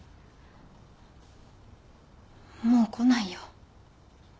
もう来ないよ。